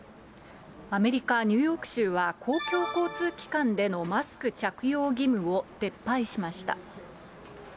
アメリカ・ニューヨーク州は、公共交通機関でのマスク着用義務を撤廃しました。